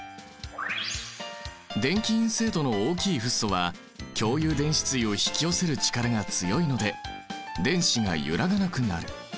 電気陰性度の大きいフッ素は共有電子対を引き寄せる力が強いので電子が揺らがなくなる。